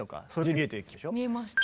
見えました。